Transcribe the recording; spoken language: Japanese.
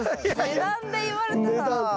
値段で言われたら。